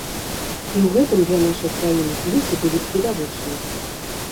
І ў гэтым для нашай краіны плюсы былі б відавочныя.